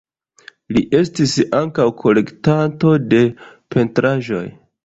Li estis ankaŭ kolektanto de pentraĵoj.